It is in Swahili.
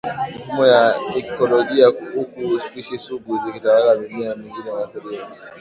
mifumo ya ikolojia huku spishi sugu zikitawala Mimea mingine huathiriwa